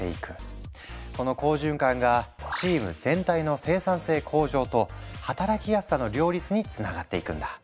この好循環がチーム全体の生産性向上と働きやすさの両立につながっていくんだ。